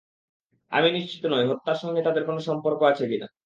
আমি নিশ্চিত নই, হত্যার সঙ্গে তাদের কোনো সম্পর্ক আছে কিনা।